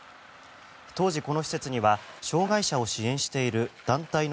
当時、この施設には障害者を支援している団体の